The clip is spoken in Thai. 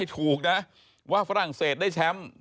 ถูกนะว่าฝรั่งเศสได้แชมป์